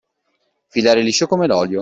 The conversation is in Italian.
Filare liscio come l'olio.